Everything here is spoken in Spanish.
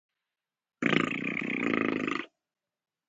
La segunda prueba es desarrollar el poder de control mental.